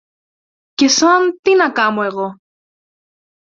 Και σαν τι να κάμω εγώ;